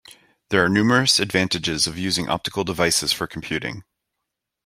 There are numerous advantages of using optical devices for computing.